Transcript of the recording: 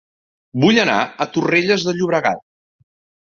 Vull anar a Torrelles de Llobregat